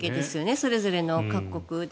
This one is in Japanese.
それぞれの各国で。